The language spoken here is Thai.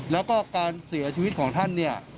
แล้วก็การเสียชีวิตของท่านเนี่ย